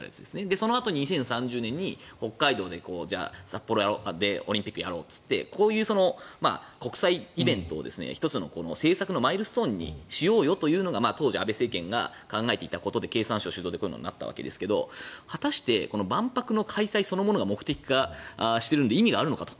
そのあと２０３０年に北海道で札幌でオリンピックやろうといってこういう国際イベントを１つの政策のマイルストーンにしようよというのが当時安倍政権が考えていたことで経産省主導でこういうことになったわけですが果たして万博の開催そのものが目的化しているので意味があるのかと。